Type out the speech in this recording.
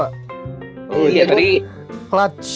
oh iya terima kasih